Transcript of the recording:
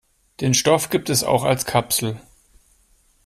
Den Stoff gibt es auch als Kapsel.